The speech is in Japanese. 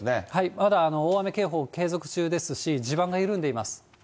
まだ大雨警報継続中ですし、地盤が緩んでいます。